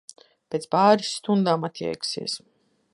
Pēc pāris stundām atjēgsies.